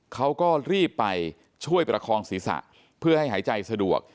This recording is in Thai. เขาก็รีบไปช่วยประคองศีรษะเพื่อให้หายใจสะดวก